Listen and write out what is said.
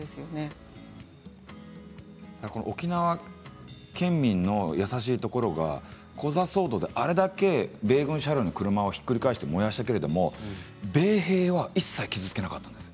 沖縄県民の優しいところがコザ騒動であれだけ米軍車両の車をひっくり返して燃やしていましたけれど米兵は一切傷つけなかったんです。